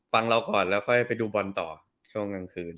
เราก่อนแล้วค่อยไปดูบอลต่อช่วงกลางคืน